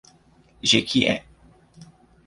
Jequié